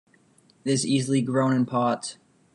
It is easily grown in pots.